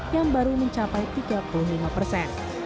yang baru mencapai tiga puluh lima persen